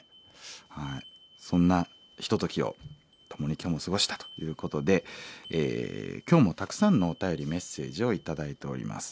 はいそんなひとときを共に今日も過ごしたということで今日もたくさんのお便りメッセージを頂いております。